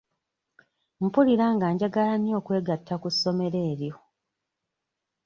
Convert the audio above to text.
Mpulira nga njagala nnyo okwegatta ku ssomero eryo.